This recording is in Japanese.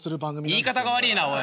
言い方が悪いなおい。